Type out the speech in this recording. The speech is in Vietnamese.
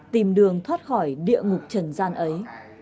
tìm đường thoát khỏi địa ngục trần gian ấy